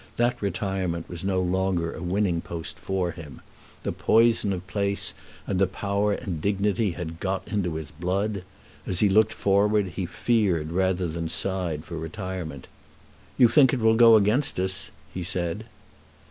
That retirement was no longer a winning post for him. The poison of place and power and dignity had got into his blood. As he looked forward he feared rather than sighed for retirement. "You think it will go against us," he said.